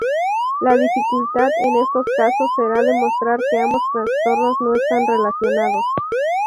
La dificultad en estos casos será demostrar que ambos trastornos no están relacionados.